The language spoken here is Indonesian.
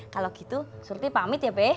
kalau gitu suruti pamit ya beh